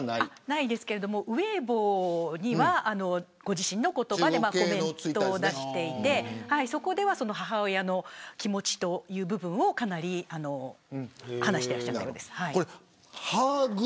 ないですけどウェイボーにはご自身の言葉でコメントを出していてそこでは母親の気持ちという部分をかなり話していました。